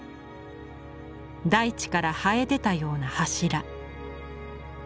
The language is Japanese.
大地から生え出たような柱。